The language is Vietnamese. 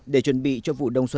để chuẩn bị cho vụ nông nghiệp